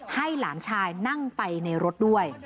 ให้หลานชายนั่งไปในรถด้วย